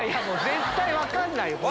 絶対分かんないよ。